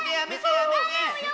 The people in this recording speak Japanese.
やめてよ！